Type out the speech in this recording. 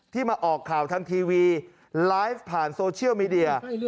มาออกข่าวทางทีวีไลฟ์ผ่านโซเชียลมีเดีย